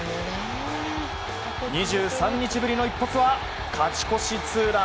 ２３日ぶりの一発は勝ち越しツーラン。